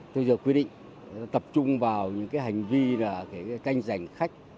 tôi giờ quyết định tập trung vào những cái hành vi là tranh giành khách